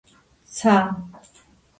ცა